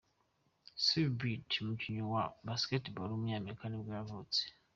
Sue Bird, umukinnyi wa basketball w’umunyamerika ni bwo yavutse.